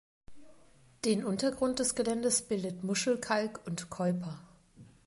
Den Untergrund des Geländes bildet Muschelkalk und Keuper.